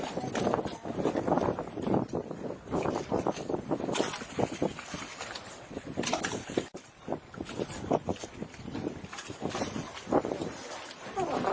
แผนไฟนิดเดียวก็ไม่มีแผนทางมากแล้ว